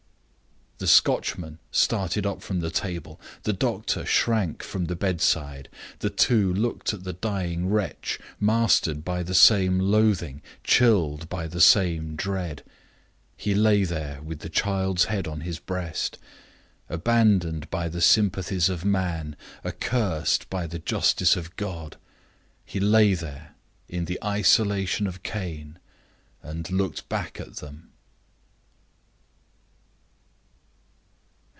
The Scotchman started up from the table; the doctor shrank from the bedside. The two looked at the dying wretch, mastered by the same loathing, chilled by the same dread. He lay there, with his child's head on his breast; abandoned by the sympathies of man, accursed by the justice of God he lay there, in the isolation of Cain, and looked back at them.